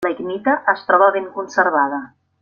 La icnita es troba ben conservada.